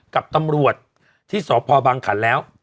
กับตำรวจที่สพบังขันแล้ว